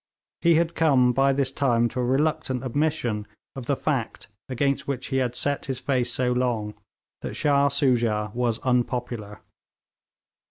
He had come by this time to a reluctant admission of the fact against which he had set his face so long, that Shah Soojah was unpopular.